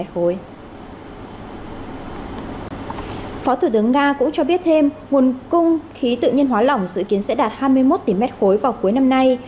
phó thủ tướng nga cũng cho biết thêm nguồn cung khí tự nhiên hóa lỏng dự kiến sẽ đạt hai mươi một tỷ m ba vào cuối năm nay